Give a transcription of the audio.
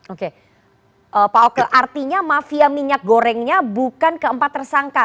oke pak oke artinya mafia minyak gorengnya bukan keempat tersangka